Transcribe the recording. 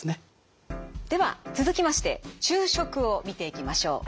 では続きまして昼食を見ていきましょう。